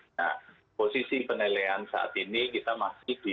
nah posisi penilaian saat ini kita masih di